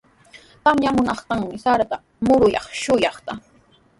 Tamyamunantami sarata murunaapaq shuyaykaa.